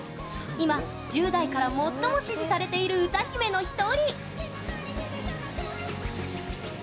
今、１０代から最も支持されている歌姫の１人。